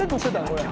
これ」